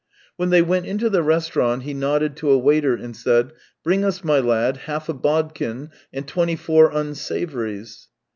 When they went into the restaurant he nodded to a waiter and said: " Bring us, my lad, half a bodkin and twenty four unsavouries."